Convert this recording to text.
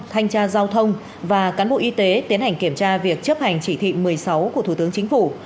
thanh tra giao thông và cán bộ y tế tiến hành kiểm tra việc chấp hành chỉ thị một mươi sáu của thủ tướng chính phủ